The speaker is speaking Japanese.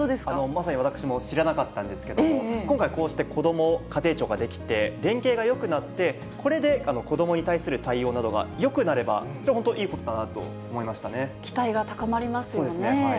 まさに私も知らなかったんですけども、今回こうして、こども家庭庁が出来て、連携がよくなって、これで子どもに対する対応などがよくなれば、本当、いいことだな期待は高まりますよね。